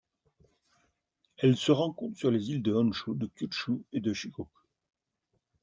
Elle se rencontre sur les îles de Honshū, de Kyūshū et de Shikoku.